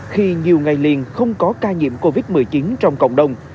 khi nhiều ngày liền không có ca nhiễm covid một mươi chín trong cộng đồng